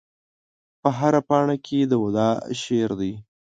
په هره پاڼه کې د وداع شعر دی